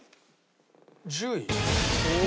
１０位？